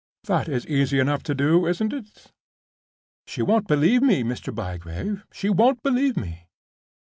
That is easy enough to do, isn't it?" "She won't believe me, Mr. Bygrave—she won't believe me!"